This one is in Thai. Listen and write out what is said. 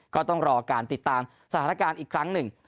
ก็ต้องรอการติดตามสถานการณ์อีกครั้งหนึ่ง